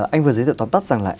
anh vừa giới thiệu tóm tắt rằng là